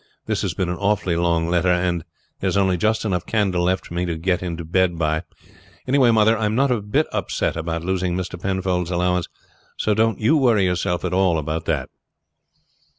This has been an awfully long letter, and there is only just enough candle left for me to get into bed by. Anyhow mother, I am not a bit upset about losing Mr. Penfold's allowance; so don't you worry yourself at all about that."